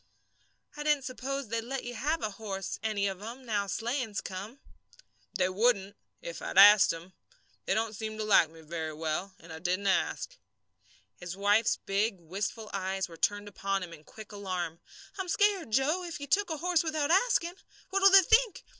"I didn't suppose they'd let you have a horse, any of 'em, now sleighing's come." "They wouldn't if I'd asked 'em. They don't seem to like me very well, and I didn't ask." His wife's big, wistful eyes were turned upon him in quick alarm. "I'm scared, Joe, if you took a horse without asking. What'll they think?